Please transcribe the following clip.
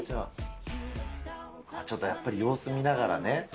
ちょっとやっぱり様子見ながらね。